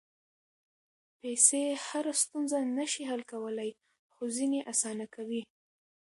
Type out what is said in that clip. پېسې هره ستونزه نه شي حل کولی، خو ځینې اسانه کوي.